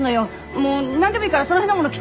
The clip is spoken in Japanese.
もう何でもいいからその辺のもの着て！